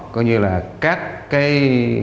coi như là các cái